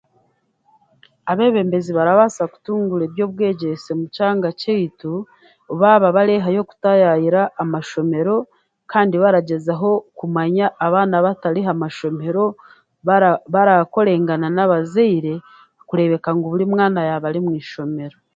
Abeebembezi barabaasa kutunguura eby'obwegyese mu kyanga kyeitu, baaba bareehayo kutaayayira amashomero, kandi baragyezaho kumanya abaana abatari ha mashomero, bara, barakorengana n'abazaire kureebeka ngu burimwana yaaba ari mwishomero.